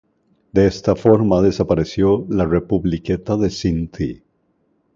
De esta forma desapareció la "Republiqueta de Cinti".